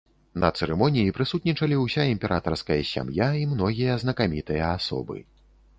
На цырымоніі прысутнічалі ўся імператарская сям'я і многія знакамітыя асобы.